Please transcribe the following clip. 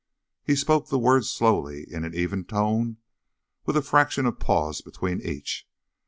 He spoke the words slowly, in an even tone, with a fraction of pause between each.